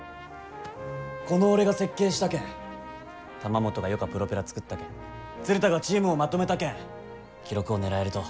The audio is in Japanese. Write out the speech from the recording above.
この俺が設計したけん玉本がよかプロペラ作ったけん鶴田がチームをまとめたけん記録を狙えると。